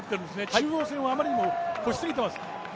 中央線をあまりにも越しすぎています。